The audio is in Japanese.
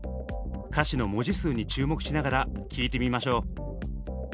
歌詞の文字数に注目しながら聴いてみましょう。